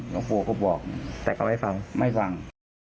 ลงปู่ก็บอกแต่เขาไว้เผาไม่ฟัง